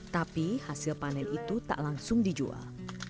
tapi hasil panen itu tak langsung dijual